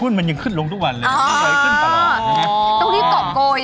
คุณมันยังขึ้นลงทุกวันเลยต้องเฮียดขอบโกยเธอ